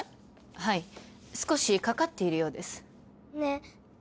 はい少しかかっているようですねえ